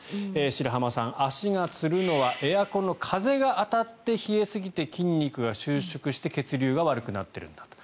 白濱さん、足がつるのはエアコンの風が当たって冷えすぎて筋肉が収縮して血流が悪くなってるんだと。